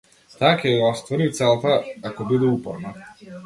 Таа ќе ја оствари целта ако биде упорна.